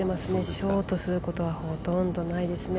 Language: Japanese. ショートすることはほとんどないですね。